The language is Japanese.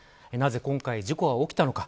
なぜ今回、事故は起きたのか。